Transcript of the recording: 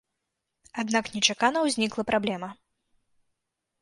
Аднак нечакана ўзнікла праблема.